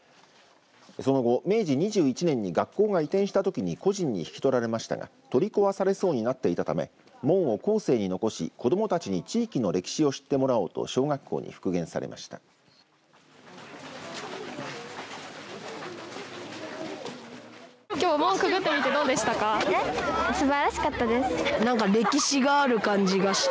その後、明治２１年に学校が移転したときに個人に引き取られましたが取り壊されそうになっていたため門を後世に残し子どもたちに地域の歴史を知ってもらおうと小学校に復元されました。